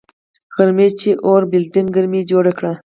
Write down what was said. غرمې چي اور بلېدنگ ګرمي جوړه که